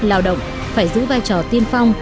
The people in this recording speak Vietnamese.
lao động phải giữ vai trò tiên phong